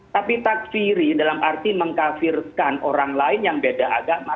tapi takfiri dalam arti mengkafirkan orang lain yang beda agama